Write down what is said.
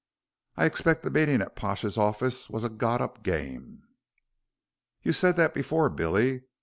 I expect the meeting at Pash's office was a got up game." "You said that before, Billy.